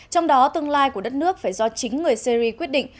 trong đó tương lai của đất nước phải do chính người syri quyết định